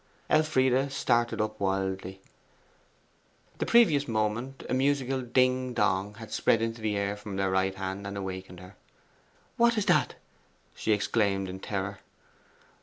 Elfride started up wildly. The previous moment a musical ding dong had spread into the air from their right hand, and awakened her. 'What is it?' she exclaimed in terror.